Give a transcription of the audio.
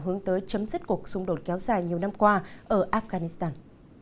hướng tới chấm dứt cuộc xung đột kéo dài nhiều năm qua ở afghanistan